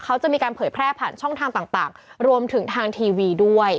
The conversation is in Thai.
เขาจะมีการเผยแพร่ผ่านช่องทางต่างรวมถึงทางทีวีด้วย